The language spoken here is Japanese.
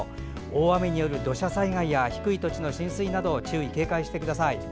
大雨による土砂災害や低い土地の浸水など注意・警戒してください。